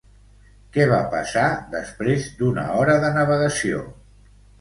Què va passar després d'una hora de navegació?